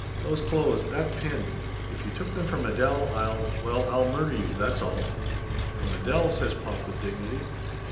"Those clothes that pin ! If you took them from Adele, I'll well, I'll murder you, that's all !" "From Adele?" says pop with dignity.